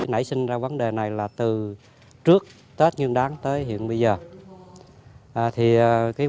nãy sinh ra vấn đề này là từ trước tết nhân đáng tới hiện bây giờ